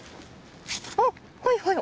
あっはいはい。